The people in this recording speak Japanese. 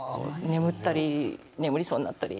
眠ったり眠りそうになったり。